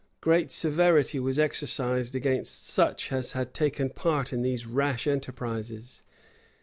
Great severity was exercised against such as had taken part in these rash enterprises.